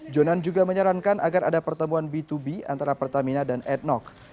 jonan juga menyarankan agar ada pertemuan b dua b antara pertamina dan adnoc